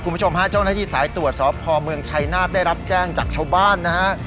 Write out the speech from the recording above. คุณผู้ชมฮะเจ้าหน้าที่สายตรวจสอบพอเมืองชัยนาธได้รับแจ้งจากชาวบ้านนะฮะ